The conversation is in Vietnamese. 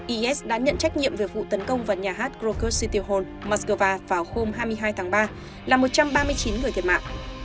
is đã nhận trách nhiệm về vụ tấn công vào nhà hát groker city hall mắc cơ va vào hôm hai mươi hai tháng ba là một trăm ba mươi chín người thiệt mạng